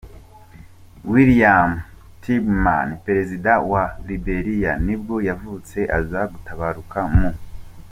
William Tubman, perezida wa wa Liberia nibwo yavutse, aza gutabaruka mu .